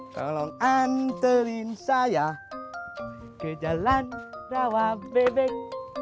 tolong anterin saya ke jalan rawabebek